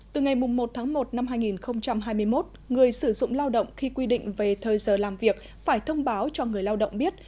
từ ngày một tháng một năm hai nghìn hai mươi một người sử dụng lao động khi quy định về thời giờ làm việc phải thông báo cho người lao động biết